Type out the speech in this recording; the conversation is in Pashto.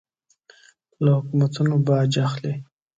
له حکومتونو باج اخلي.